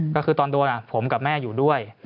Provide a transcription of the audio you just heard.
ก็คือตอนโดนผมกับแม่อยู่ด้วย